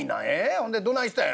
ほんでどないしたんや？」。